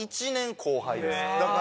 １年後輩です